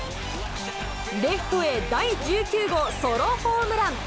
レフトへ第１９号ソロホームラン。